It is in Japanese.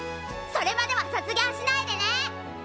それまでは卒業しないでね！